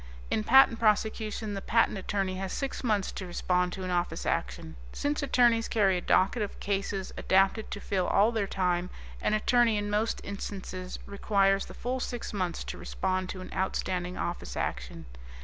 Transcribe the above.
In patent prosecution, the patent attorney has six months to respond to an Office Action. Since attorneys carry a docket of cases adapted to fill all their time, an attorney in most instances requires the full six months to respond to an outstanding Office Action.